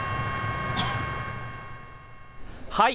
はい。